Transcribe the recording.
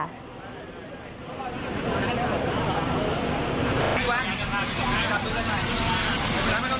มันไม่ได้จับพี่วัน